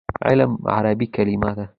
علم عربي کلمه ده.